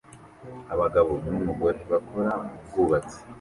Abagabo numugore bakora mubwubatsi